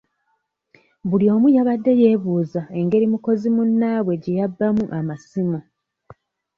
Buli omu yabadde yeebuuza engeri mukozi munnaabwe gye yabbamu amasimu.